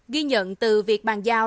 ghi nhận từ việc bàn giao